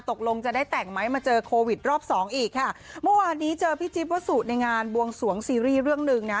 ตกลงจะได้แต่งไหมมาเจอโควิดรอบสองอีกค่ะเมื่อวานนี้เจอพี่จิ๊บวสุในงานบวงสวงซีรีส์เรื่องหนึ่งนะ